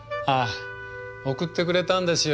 送ってくれたんですよ